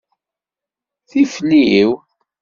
Tifliw.